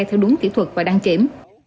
theo đúng kỹ thuật và đăng kiểm